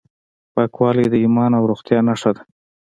پاکوالی د ایمان او روغتیا نښه ده.